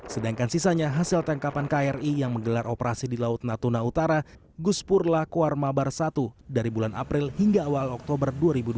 sedangkan sisanya hasil tangkapan kri yang menggelar operasi di laut natuna utara guspurlah kuarmabar satu dari bulan april hingga awal oktober dua ribu dua puluh